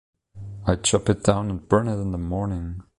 I chop it down and burn it in the morning.